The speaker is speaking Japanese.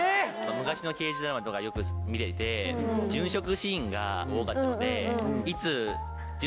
昔の刑事ドラマとかよく見ていて殉職シーンが多かったので。